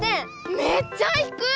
めっちゃひくい！